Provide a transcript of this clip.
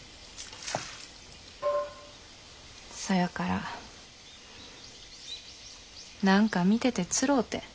そやから何か見ててつろうて。